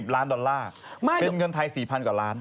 ล้านดอลลาร์เป็นเงินไทย๔๐๐กว่าล้าน